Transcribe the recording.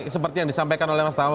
seperti yang disampaikan oleh mas tawon